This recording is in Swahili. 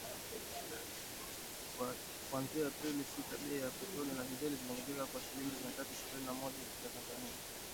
Kuanzia Aprili sita, bei ya petroli na dizeli iliongezeka kwa shilingi mia tatu ishirini na moja za Tanzania (dola kumi na nne).